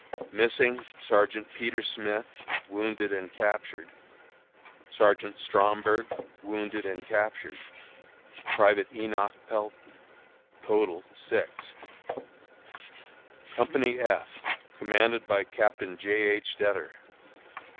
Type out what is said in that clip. Missing: Sergeant Peter Smith (wounded and captured); Sergeant Stromburg (wounded and captured); Private Enoch Pelton. Total, 6. Company F, commanded by Captain J. H. Dettor.